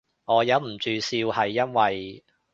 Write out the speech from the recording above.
我忍唔住笑係因為